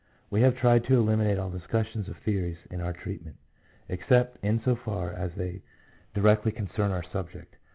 We have tried to eliminate all discussions of theories in our treatment, except in so far as they directly concern our subject.